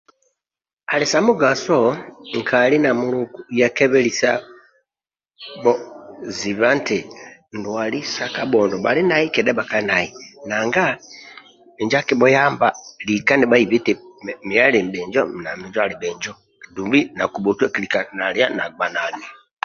Ali sa mugaso nkali na muluku ya kebelisabho zibha nti nduali sa kabhondo bhalinai kedha bhakalinai nanga injo akibhuyamba lika nibhaibi nti miyo alibhinjo na minjo alibhinjo dumbi na Kubhotu akulika nalia nagbanani